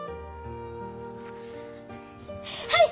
はい！